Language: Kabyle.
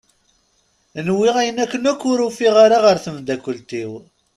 Nwiɣ ayen akken akk ur ufiɣ ara ɣer temddakelt-iw.